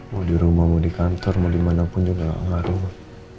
mau di rumah mau di kantor mau dimanapun juga nggak rumah